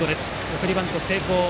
送りバント成功。